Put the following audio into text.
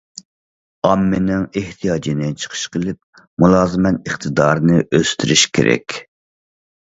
ئاممىنىڭ ئېھتىياجىنى چىقىش قىلىپ، مۇلازىمەت ئىقتىدارىنى ئۆستۈرۈش كېرەك.